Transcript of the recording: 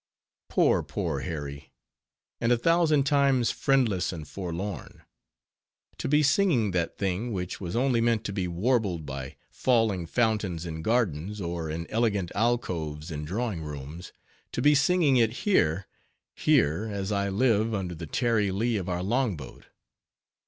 _ Poor, poor Harry! and a thousand times friendless and forlorn! To be singing that thing, which was only meant to be warbled by falling fountains in gardens, or in elegant alcoves in drawing rooms,—to be singing it here—here, as I live, under the tarry lee of our long boat.